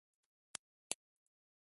これが私たちの絶唱だー